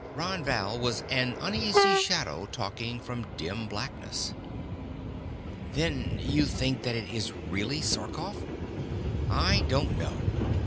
Ron Val was an uneasy shadow talking from dim blackness. "Then you think that it is really Sarkoff?" "I don't know."